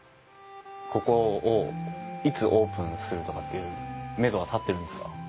ここをいつオープンするとかっていうメドは立っているんですか？